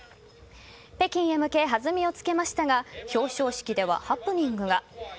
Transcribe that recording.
北京へ向けはずみをつけましたが表彰式ではハプニングが。